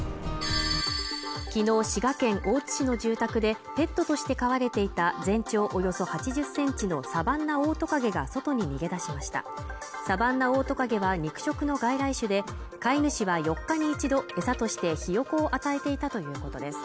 きのう滋賀県大津市の住宅でペットとして飼われていた全長およそ８０センチのサバンナオオトカゲが外に逃げ出しましたサバンナオオトカゲは肉食の外来種で飼い主は４日に一度餌としてひよこを与えていたということです